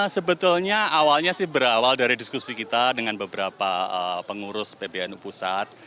sebetulnya awalnya sih berawal dari diskusi kita dengan beberapa pengurus pbnu pusat